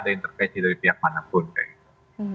tidak ada interaksi dari pihak manapun kayak gitu